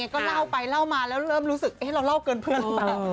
กลับนะดูเหมือนกัน